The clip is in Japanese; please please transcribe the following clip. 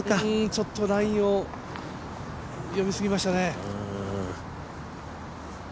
ちょっとラインを読みすぎましたね。